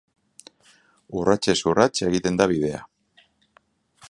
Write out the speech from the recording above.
Urratsez urrats egiten da bidea.